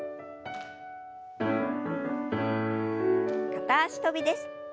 片脚跳びです。